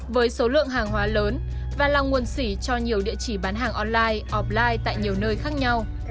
với số lượng hàng hóa lớn và là nguồn sỉ cho nhiều địa chỉ bán hàng online offline tại nhiều nơi khác nhau